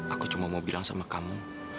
aku cuma mau bilang sama kamu